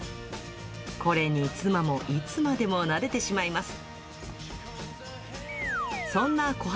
これに妻もいつまでもなでてしまいます。